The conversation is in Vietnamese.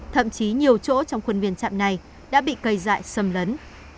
thậm chí nhiều chỗ trong khuôn viên trạm này đã bị cây dại xâm lấn